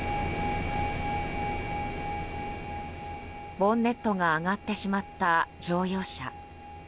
ボンネットが上がってしまった乗用車。